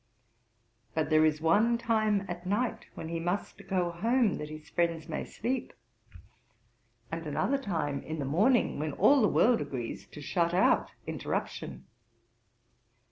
But there is one time at night when he must go home that his friends may sleep; and another time in the morning when all the world agrees to shut out interruption.